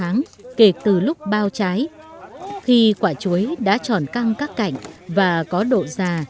sau khoảng hai tháng rưỡi đến ba tháng kể từ lúc bao trái khi quả chuối đã tròn căng các cạnh và có độ già